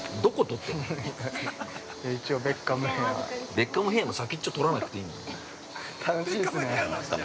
◆ベッカムヘアの先っちょ撮らなくていいんだよ。